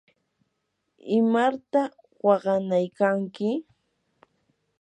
¿imarta waqanaykanki?